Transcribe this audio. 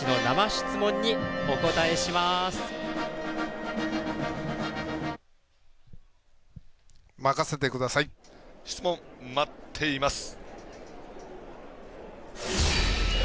質問、待っています！